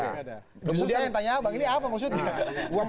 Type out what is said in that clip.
justru saya yang tanya bang ini apa maksudnya